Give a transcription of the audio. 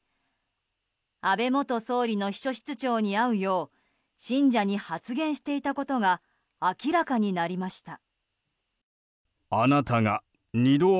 安倍元総理の秘書室長に会うよう信者に発言していたことが明らかになりました。